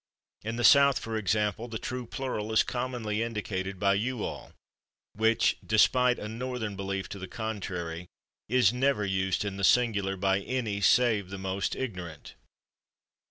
In the South, for example, the true plural is commonly indicated by /you all/, which, despite a Northern belief to the contrary, is never used in the singular by any save the most ignorant.